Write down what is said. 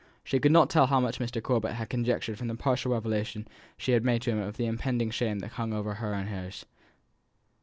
She could not tell how much Mr. Corbet had conjectured from the partial revelation she had made to him of the impending shame that hung over her and hers.